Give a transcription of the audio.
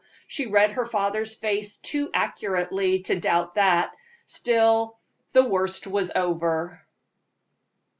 She read her father's face too accurately to doubt that; still, the worst was over.